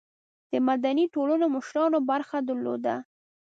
د مدني ټولنو مشرانو برخه درلوده.